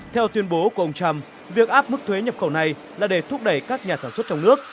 theo tuyên bố của ông trump việc áp mức thuế nhập khẩu này là để thúc đẩy các nhà sản xuất trong nước